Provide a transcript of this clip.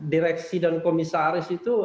direksi dan komisaris itu